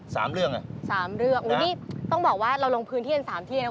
สามเรื่องอุ๊ยนี่ต้องบอกว่าเราลงพื้นที่นั้นสามที่นั้นครับ